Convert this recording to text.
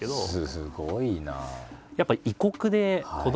すごいな。